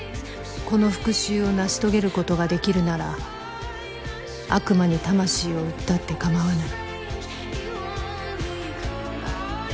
この復讐を成し遂げることが出来るなら悪魔に魂を売ったって構わない